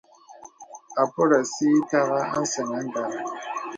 Àpōlə̀ sī itàgha a səŋ àgara.